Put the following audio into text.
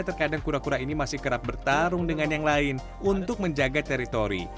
terkadang kura kura ini masih kerap bertarung dengan yang lain untuk menjaga teritori